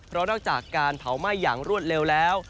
เพราะนอกจากการเผาไหม้อย่างรวดเร็วแล้ว